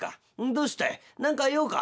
どうしたい何か用か？」。